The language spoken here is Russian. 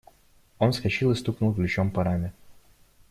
Он вскочил и стукнул ключом по раме.